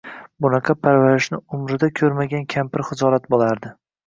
Bunaqa parvarishni umrida ko`rmagan kampir xijolat bo`lardi